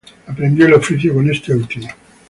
Aprendió el oficio con este último.